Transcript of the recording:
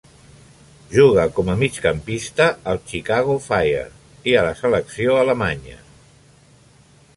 Juga com a migcampista al Chicago Fire i a la Selecció alemanya.